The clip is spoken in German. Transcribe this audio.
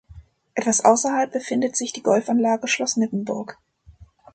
Etwas außerhalb befindet sich die Golfanlage Schloss Nippenburg.